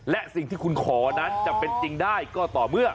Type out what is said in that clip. และสิ่งที่คุณขอนั้นจะเป็นจริงได้ก็ต่อเมื่อ